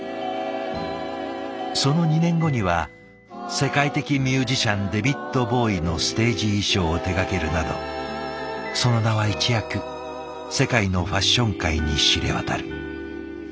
その２年後には世界的ミュージシャンデビッド・ボウイのステージ衣装を手がけるなどその名は一躍世界のファッション界に知れ渡る。